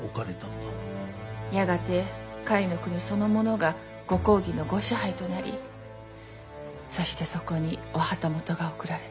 やがて甲斐国そのものがご公儀のご支配となりそしてそこにお旗本が送られた。